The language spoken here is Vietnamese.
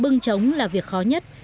bưng trống là việc làm trống